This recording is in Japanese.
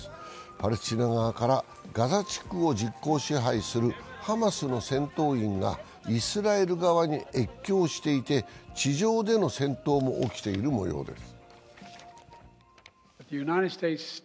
パレスチナ側からガザ地区を実効支配するハマスの戦闘員がイスラエル側に越境していて地上での戦闘も起きている模様です。